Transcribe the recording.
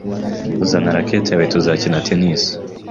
Zana racket yawe tuzakina tennis.